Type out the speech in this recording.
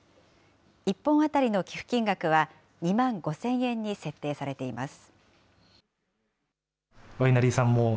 １本当たりの寄付金額は２万５０００円に設定されています。